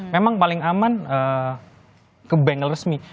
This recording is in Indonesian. memang paling aman ke bannel resmi